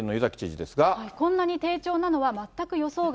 こんなに低調なのは、全く予想外。